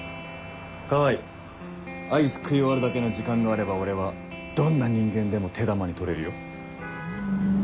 川合アイス食い終わるだけの時間があれば俺はどんな人間でも手玉に取れるよ。